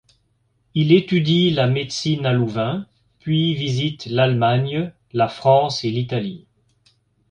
Il étudie la médecine à Louvain puis visite l'Allemagne, la France et l'Italie.